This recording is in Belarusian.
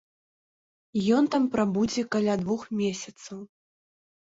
Ён там прабудзе каля двух месяцаў.